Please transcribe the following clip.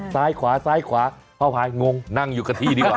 ซ้ายขวาซ้ายขวาพ่อพายงงนั่งอยู่กับที่ดีกว่า